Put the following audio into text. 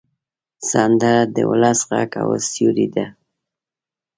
سندره د ولس غږ او سیوری ده